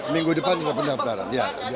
minggu depan kita pendaftaran